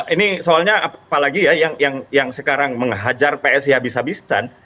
ini soalnya apalagi ya yang sekarang menghajar psi habis habisan